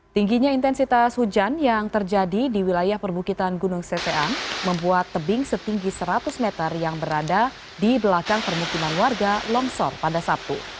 tingginya intensitas hujan yang terjadi di wilayah perbukitan gunung sesean membuat tebing setinggi seratus meter yang berada di belakang permukiman warga longsor pada sabtu